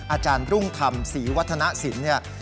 อาจารย์รุ่งธรรมศรีวัฒนศิลป์เนี่ย